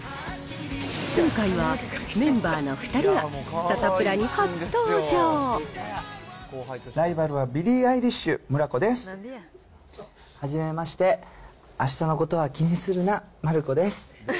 今回はメンバーの２人が、サタプライバルはビリー・アイリッはじめまして、あしたのことは気にするな、丸子です。